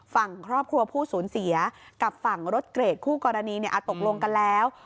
ฝั่งครอบครัวผู้สูญเสียกับฝั่งรถเกรดคู่กรณีตกลงกันแล้ว